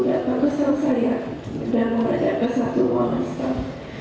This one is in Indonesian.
datang pesel saya dan mengajak ke satu uang listar